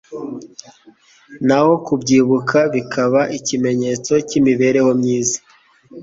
naho kubyibuha bikaba ikimenyetso cy'imibereho myiza